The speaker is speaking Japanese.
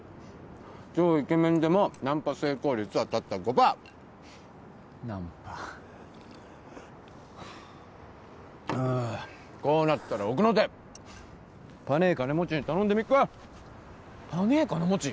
超イケメンでもナンパ成功率はたった５パーナンパあこうなったら奥の手ぱねぇ金持ちに頼んでみっかぱねぇ金持ち？